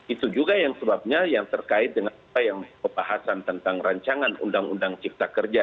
itu juga yang sebabnya yang terkait dengan apa yang pembahasan tentang rancangan undang undang cipta kerja